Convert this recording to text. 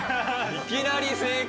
いきなり正解。